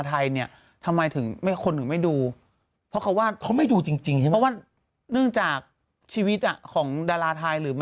แต่ทำไมคนก็ยังดูหนังเขาอยู่